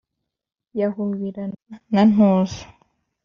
yahubirana na ntuza,